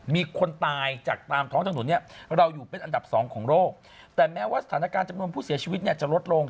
มีคนตายจากตามท้องถนนเนี่ยเราอยู่เป็นอันดับสองของโลกแต่แม้ว่าสถานการณ์จำนวนผู้เสียชีวิตเนี่ยจะลดลง